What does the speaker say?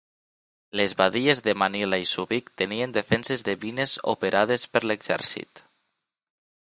Les badies de Manila i Subic tenien defenses de mines operades per l'exèrcit.